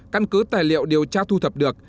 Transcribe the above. căn cứ tài liệu điều tra thu thập được